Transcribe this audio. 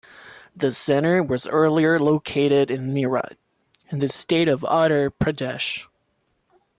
The Centre was earlier located in Meerut in the state of Uttar Pradesh.